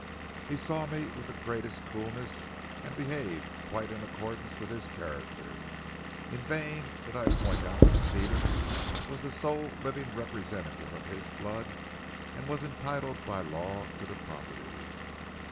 He saw me with the greatest coolness and behaved quite in accordance with his character. In vain did I point out that Stephen was the sole living representative of his blood, and was entitled by law to the property.